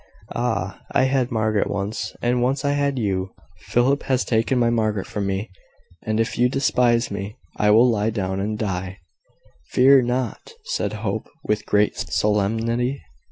Ah! I had Margaret once; and once I had you. Philip has taken my Margaret from me; and if you despise me, I will lie down and die." "Fear not!" said Hope, with great solemnity.